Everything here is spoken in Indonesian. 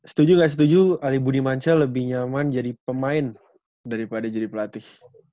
setuju gak setuju alibudi mansyah lebih nyaman jadi pemain daripada jadi pelatih